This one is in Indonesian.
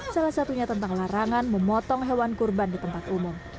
salah satunya tentang larangan memotong hewan kurban di tempat umum